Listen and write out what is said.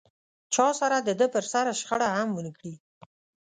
چا سره دده پر سر شخړه هم و نه کړي.